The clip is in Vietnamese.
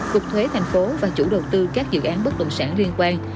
cục thuế tp và chủ đầu tư các dự án bất đồng sản liên quan